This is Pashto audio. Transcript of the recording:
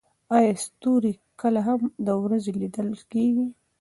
ایا ستوري کله هم د ورځې لیدل کیږي؟